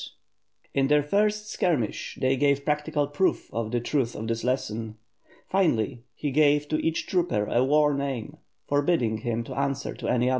In their first skirmish they gave practical proof of the truth of this lesson. Finally, he gave to each trooper a war name, forbidding him to answer to any other.